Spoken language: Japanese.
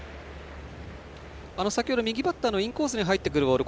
先ほど、右バッターのインコースに入ってくるボール